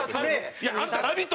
あんた『ラヴィット！』